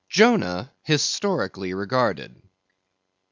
Jonah Historically Regarded.